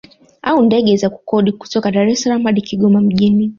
Au ndege za kukodi kutoka Dar es Salaam hadi Kigoma mjini